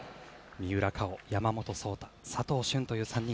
三浦佳生、山本草太佐藤駿という３人。